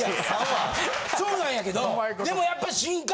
そうなんやけどでもやっぱ。